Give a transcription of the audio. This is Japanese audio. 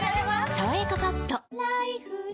「さわやかパッド」